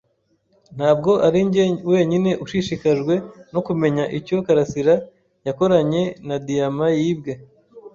Ntabwo arinjye wenyine ushishikajwe no kumenya icyo karasira yakoranye na diyama yibwe.